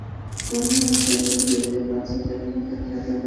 মামলায় আসামিদের বিরুদ্ধে পাঁচ হাজার টাকা চাঁদা দাবির অভিযোগ করা হয়েছিল।